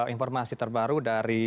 informasi terbaru dari